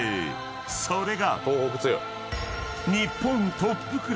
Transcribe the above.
［それが］